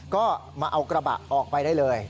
ก็มาเอากระบะออกไปได้เลย